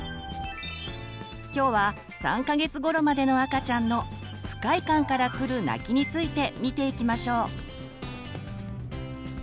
今日は３か月ごろまでの赤ちゃんの「不快感からくる泣き」について見ていきましょう。